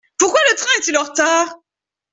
Pourquoi le train est-il en retard ?